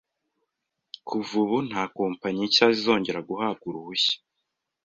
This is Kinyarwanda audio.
kuva ubu, nta kompanyi nshya zizongera guhabwa uruhushya.